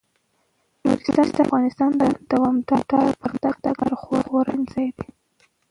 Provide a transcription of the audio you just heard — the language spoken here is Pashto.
نورستان د افغانستان د دوامداره پرمختګ لپاره خورا اړین ځای دی.